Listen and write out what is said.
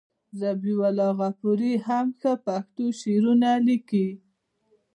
ذبیح الله غفوري هم ښه پښتو شعرونه لیکي.